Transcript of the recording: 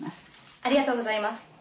ありがとうございます。